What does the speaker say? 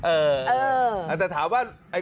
เออแต่ถามว่า